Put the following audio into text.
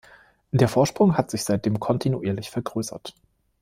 Der Vorsprung hat sich seitdem kontinuierlich vergrößert.